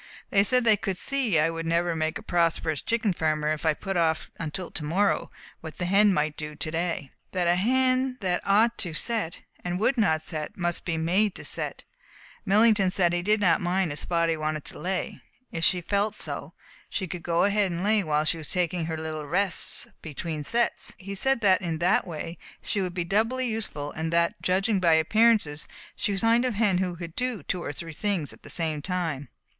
They said they could see I would never make a prosperous chicken farmer if I put off until to morrow what the hen ought to do to day, and that a hen that ought to set, and would not set, must be made to set. Millington said that he did not mind if Spotty wanted to lay. If she felt so, she could go ahead and lay while she was taking her little rests between sets. He said that in that way she would be doubly useful and that, judging by appearances, she was the kind of hen that could do two or three things at the same time.